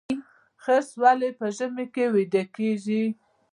خرس ولې په ژمي کې ویده کیږي؟